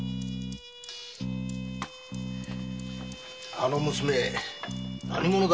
あの娘何者だろう？